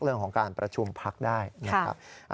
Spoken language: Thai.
เรื่องของการประชุมพักได้นะครับ